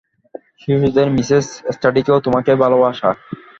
শিশুদের, মিসেস স্টার্ডিকে ও তোমাকে ভালবাসা।